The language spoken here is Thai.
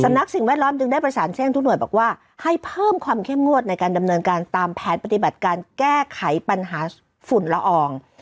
นักสิ่งแวดล้อมจึงได้ประสานแจ้งทุกหน่วยบอกว่าให้เพิ่มความเข้มงวดในการดำเนินการตามแผนปฏิบัติการแก้ไขปัญหาฝุ่นละออง